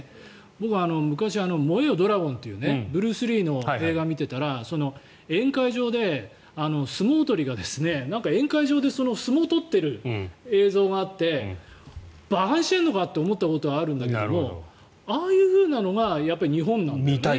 僕、昔「燃えよドラゴン」というブルース・リーの映画を見ていたら宴会場で相撲取りが宴会場で相撲を取っている映像があって馬鹿にしてるのかと思ったことがあるんだけどああいうのがやっぱり日本なんだよね。